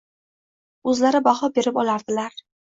O‘zlari baho berib olardilar.